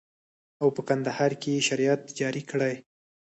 او په کندهار کښې يې شريعت جاري کړى.